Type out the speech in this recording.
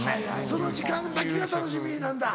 その時間だけが楽しみなんだ。